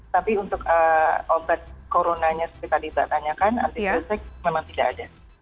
tapi untuk obat coronanya seperti tadi saya tanyakan anti kritik memang tidak ada